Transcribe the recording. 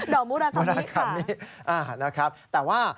ดอกมูลคามิค่ะนะครับแต่ว่า